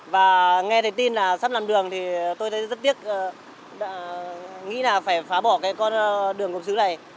và nghe thấy tin là sắp làm đường thì tôi thấy rất tiếc nghĩ là phải phá bỏ cái con đường gốm xứ này